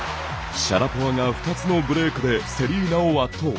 シャラポワが２つのブレークでセリーナを圧倒。